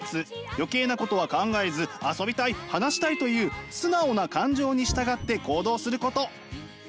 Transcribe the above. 余計なことは考えず遊びたい話したいという素直な感情に従って行動すること。